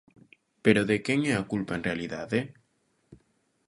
Pero ¿de quen é a culpa en realidade?